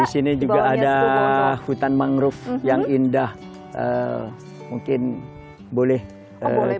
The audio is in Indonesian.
di sini juga ada hutan mangrove yang indah mungkin boleh